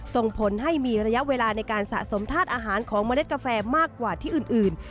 ส่งผลให้มีระยะเวลาในการสะสมธาตุอาหารของเมล็ดกาแฟมากกว่าที่อื่น